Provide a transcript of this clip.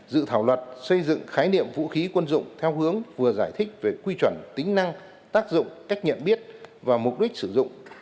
dự thảo luật xây dựng khái niệm vũ khí quân dụng theo hướng vừa giải thích về quy chuẩn tính năng tác dụng cách nhận biết và mục đích sử dụng